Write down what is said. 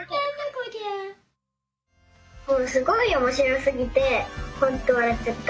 すごいおもしすぎてほんとわらっちゃった。